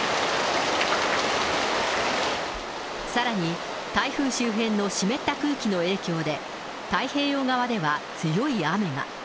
さらに、台風周辺の湿った空気の影響で、太平洋側では強い雨が。